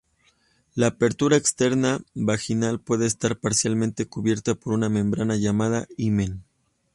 La apertura externa vaginal puede estar parcialmente cubierta por una membrana llamada himen.